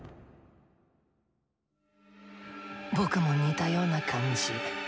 僕も似たような感じ。